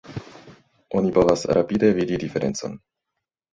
Oni povas rapide vidi diferencon.